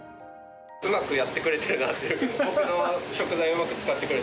うまくやってくれてるなって。